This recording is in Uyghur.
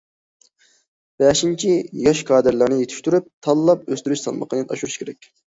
بەشىنچى، ياش كادىرلارنى يېتىشتۈرۈش، تاللاپ ئۆستۈرۈش سالمىقىنى ئاشۇرۇش كېرەك.